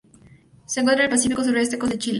Se encuentra en el Pacífico sureste, costas de Chile.